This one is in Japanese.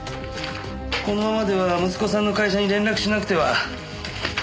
このままでは息子さんの会社に連絡しなくては。